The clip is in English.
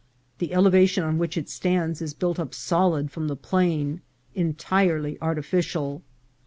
The elevation on which it stands is built up solid from the plain, en tirely artificial.